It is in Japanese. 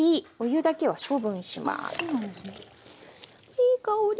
いい香り。